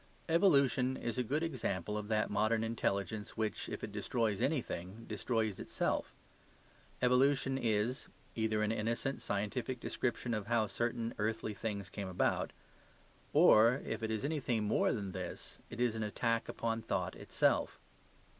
Evolution is a good example of that modern intelligence which, if it destroys anything, destroys itself. Evolution is either an innocent scientific description of how certain earthly things came about; or, if it is anything more than this, it is an attack upon thought itself.